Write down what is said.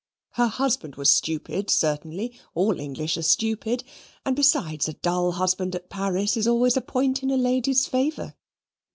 Her husband was stupid certainly all English are stupid and, besides, a dull husband at Paris is always a point in a lady's favour.